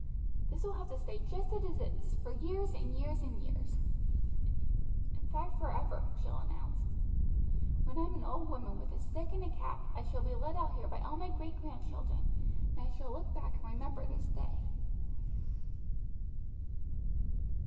"This will have to stay just as it is for years and years and years, in fact for ever," Jill announced. "When I'm an old woman with a stick and a cap I shall be led out here by all my great grandchildren, and I shall look back and remember this day."